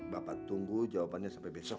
bapak tunggu jawabannya sampai besok